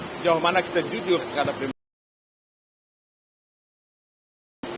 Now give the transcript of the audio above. sejauh mana kita jujur terhadap demokrasi